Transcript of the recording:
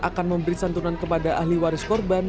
akan memberi santunan kepada ahli waris korban